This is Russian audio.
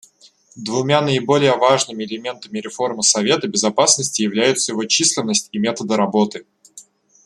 Двумя наиболее важными элементами реформы Совета Безопасности являются его численность и методы работы.